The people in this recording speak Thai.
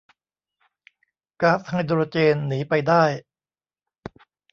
ก๊าซไฮโดรเจนหนีไปได้